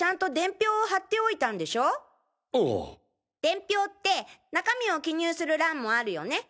伝票って中身を記入する欄もあるよね。